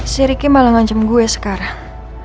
si ricky malah nganjem gue sekarang